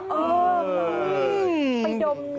ไปดมน้อง